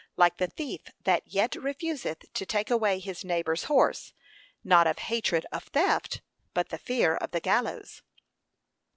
Like the thief that yet refuseth to take away his neighbour's horse, not of hatred of theft, but for fear of the gallows.